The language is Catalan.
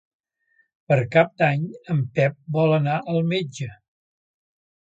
Per Cap d'Any en Pep vol anar al metge.